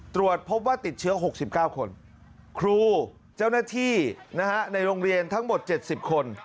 ตรวจพบว่าติดเชื้อ๖๙คนครูเจ้าหน้าที่ในโรงเรียนทั้งหมด๗๐คน